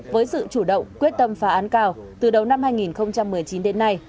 với sự chủ động quyết tâm phá án cao từ đầu năm hai nghìn một mươi chín đến nay